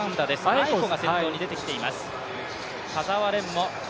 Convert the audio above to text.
アエコが前に出てきています。